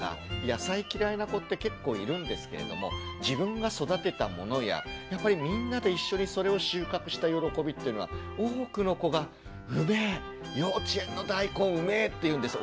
野菜嫌いな子って結構いるんですけれども自分が育てたものややっぱりみんなで一緒にそれを収穫した喜びっていうのは多くの子が「うめえ幼稚園の大根うめえ」って言うんです。